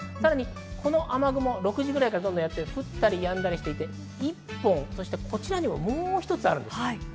この雨雲、６時ぐらいから降ったりやんだりしていて、１本こちらにもう一つあります。